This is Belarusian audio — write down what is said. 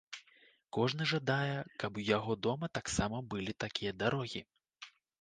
Кожны жадае, каб у яго дома таксама былі такія дарогі.